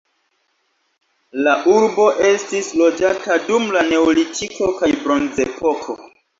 La urbo estis loĝata dum la neolitiko kaj bronzepoko.